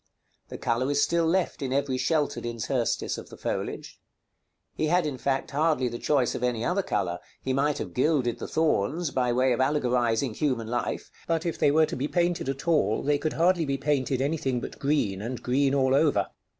The color is still left in every sheltered interstice of the foliage. He had, in fact, hardly the choice of any other color; he might have gilded the thorns, by way of allegorizing human life, but if they were to be painted at all, they could hardly be painted any tiling but green, and green all over.